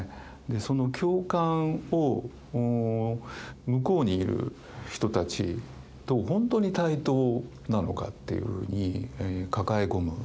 でその共感を向こうにいる人たちと本当に対等なのかっていうふうに抱え込む。